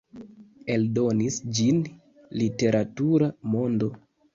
Eldonis ĝin Literatura Mondo.